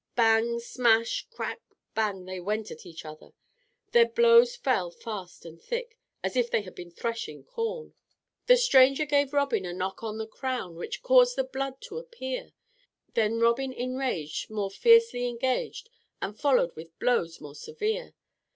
Bang, smash, crack, bang, they went at each other. Their blows fell fast and thick as if they had been threshing corn. "The stranger gave Robin a knock on the crown, Which caused the blood to appear, Then Robin enraged, more fiercely engaged, And followed with blows more severe.